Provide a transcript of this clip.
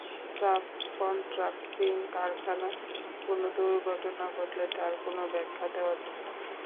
Subcontracting কারখানায় কোনো দুর্ঘটনা ঘটলে তার কোনো ব্যাখ্যা দেওয়া যাবে না।